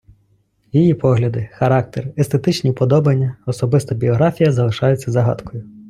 Її погляди, характер, естетичні вподобання, особиста біографія залишаються загадкою.